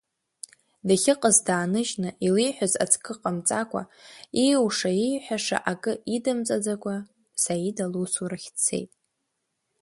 Дахьыҟаз дааныжьны, илеиҳәаз ацкы ҟамҵакәа, ииуша-ииҳәаша акы идымҵаӡакәа, Саида лусурахь дцеит.